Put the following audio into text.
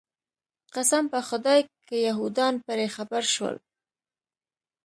قسم په خدای که یهودان پرې خبر شول.